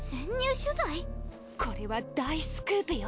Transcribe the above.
これは大スクープよ！